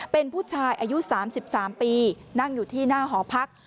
เป็นผู้ชายอายุ๓๓ปีนั่งอยู่ที่หน้าหอพัก